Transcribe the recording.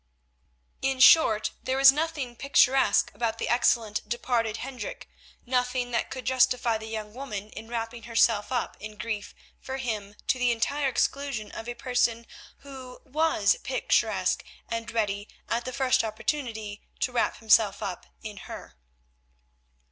In short, there was nothing picturesque about the excellent departed Hendrik, nothing that could justify the young woman in wrapping herself up in grief for him to the entire exclusion of a person who was picturesque and ready, at the first opportunity, to wrap himself up in her.